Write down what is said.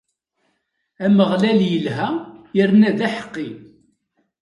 Ameɣlal ilha yerna d aḥeqqi.